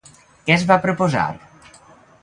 Què es va posposar?